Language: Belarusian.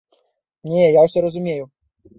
Не, я ўсё разумею!